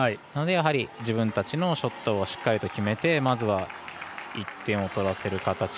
やはり、自分たちのショットをしっかりと決めてまずは１点を取らせる形。